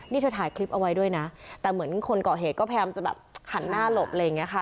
นี่เธอถ่ายคลิปเอาไว้ด้วยนะแต่เหมือนคนก่อเหตุก็พยายามจะแบบหันหน้าหลบอะไรอย่างนี้ค่ะ